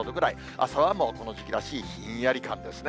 朝は、この時期らしい、ひんやり感ですね。